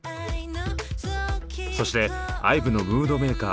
そしてＩＶＥのムードメーカー